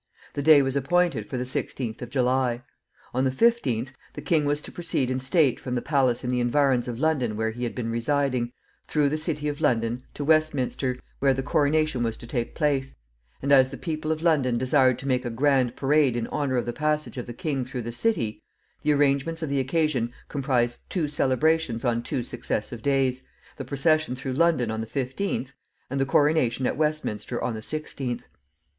The day was appointed for the 16th of July. On the 15th the king was to proceed in state from the palace in the environs of London where he had been residing, through the city of London, to Westminster, where the coronation was to take place; and as the people of London desired to make a grand parade in honor of the passage of the king through the city, the arrangements of the occasion comprised two celebrations on two successive days the procession through London on the 15th, and the coronation at Westminster on the 16th.